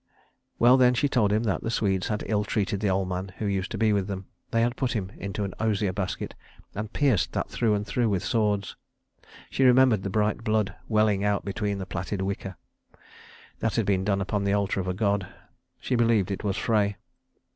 Well then she told him that the Swedes had ill treated the old man who used to be with them. They had put him into an osier basket, and pierced that through and through with swords; she remembered the bright blood welling out between the plaited wicker. That had been done upon the altar of a God she believed it was Frey.